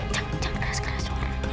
jangan jangan keras keras suaranya